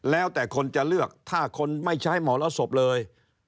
แล้วแต่คนจะเลือกถ้าคนไม่ใช้มรสบเลย